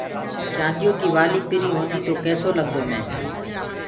چآنديو ڪي وآلي پري هوندي تو ڪيسو لگدو مي